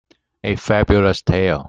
A Fabulous tale.